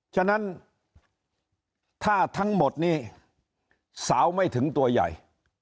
ฉะนั้นถ้าทั้งหมดนี้สาวไม่ถึงตัวใหญ่